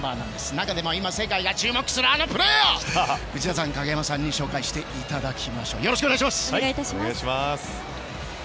中でも世界が注目するあのプレーを内田さん、影山さんに紹介していただきましょう。